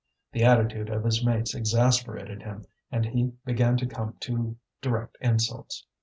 The attitude of his mates exasperated him, and he began to come to direct insults.